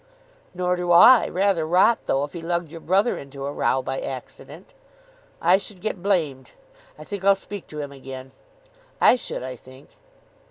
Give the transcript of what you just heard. "Nor do I. Rather rot, though, if he lugged your brother into a row by accident." "I should get blamed. I think I'll speak to him again." "I should, I think."